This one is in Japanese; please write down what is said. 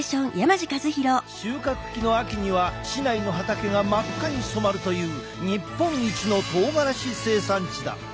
収穫期の秋には市内の畑が真っ赤に染まるという日本一のとうがらし生産地だ。